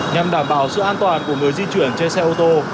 nhằm đảm bảo sự an toàn của người di chuyển trên xe ô tô